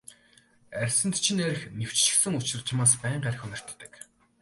Арьсанд чинь архи нэвччихсэн учир чамаас байнга архи үнэртдэг.